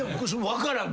分からん。